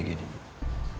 gak biasanya lu kayak gini